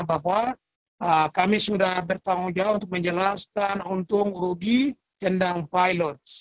bahwa kami sudah bertanggung jawab untuk menjelaskan untung rugi tentang pilot